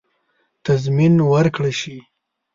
تضمین ورکړه شي.